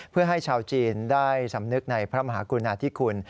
เพื่อให้ชาวจีนได้สำนึกในพระมหากุณาธิคุณ